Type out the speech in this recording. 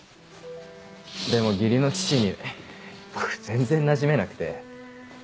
でも義理の父に僕全然なじめなくて。